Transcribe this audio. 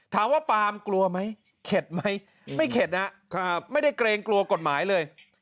ถามว่าปาล์มกลัวไหมเข็ดไหมไม่เข็ดนะไม่ได้เกรงกลัวกฎหมายเลย